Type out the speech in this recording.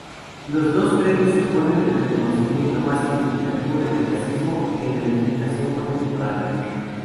Los dos premios suponen el reconocimiento más significativo del clasicismo en la edificación contemporánea.